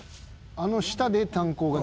「あの下で炭鉱が？」